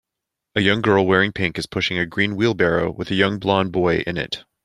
A young girl wearing pink is pushing a green wheelbarrow with a young blond boy in it.